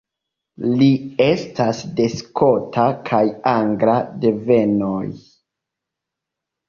Li estas de skota kaj angla devenoj.